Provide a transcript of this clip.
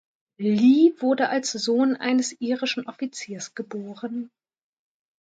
Lee wurde als Sohn eines irischen Offiziers geboren.